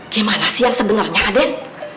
gimana sih yang sebenarnya aden